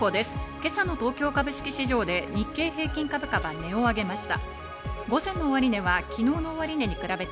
今朝の東京株式市場で日経平均株価は値を上げました。